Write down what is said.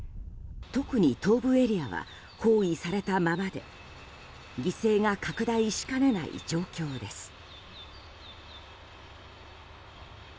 特に東部エリアは包囲されたままで犠牲が拡大しかねない状況です。